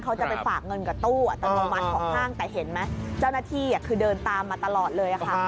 เขาจะไปฝากเงินกับตู้อัตโนมัติของห้างแต่เห็นไหมเจ้าหน้าที่คือเดินตามมาตลอดเลยค่ะ